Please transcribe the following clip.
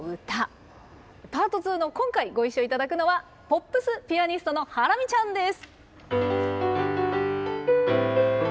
Ｐａｒｔ２の今回ご一緒頂くのはポップスピアニストのハラミちゃんです。